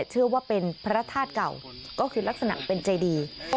เชื่อว่าเป็นพระธาตุเก่าก็คือลักษณะเป็นเจดี